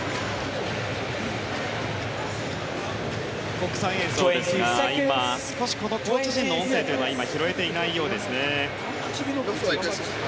国際映像ですが、今少しコーチ陣の音声が拾えていないようですね。